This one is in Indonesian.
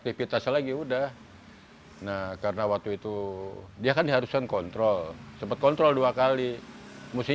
aktivitas lagi udah nah karena waktu itu dia kan diharuskan kontrol sempat kontrol dua kali musim